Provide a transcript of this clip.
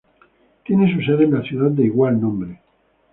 Tiene su sede en la ciudad de igual nombre.